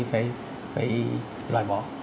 phải loại bỏ